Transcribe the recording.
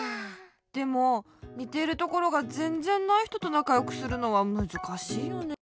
でもにてるところがぜんぜんないひととなかよくするのはむずかしいよね。